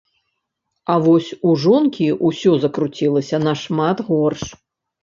А вось у жонкі ўсё закруцілася нашмат горш.